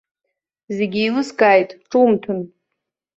Зегьы еилыскааит, ҿумҭын!